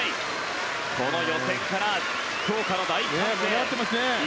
予選から福岡の大歓声。